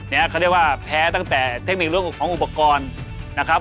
เขาเรียกว่าแพ้ตั้งแต่เทคนิคเรื่องของอุปกรณ์นะครับ